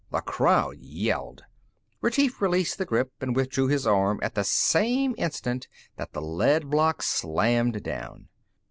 The crowd yelled. Retief released the grip and withdrew his arm at the same instant that the lead block slammed down.